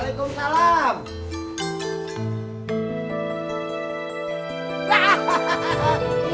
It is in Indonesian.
buat'mma detail peseling temperature